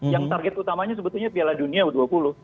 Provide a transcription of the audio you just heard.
yang target utamanya sebetulnya piala dunia u dua puluh